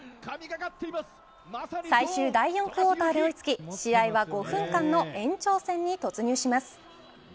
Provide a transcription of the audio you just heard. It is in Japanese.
最終第４クオーターで追い付き試合は５分間の延長戦に突入します。